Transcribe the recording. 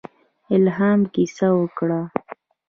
الهام کیسه وکړم.